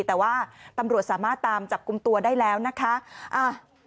แต่ว่าตำรวจสามารถตามจับกลุ่มตัวได้แล้วนะคะ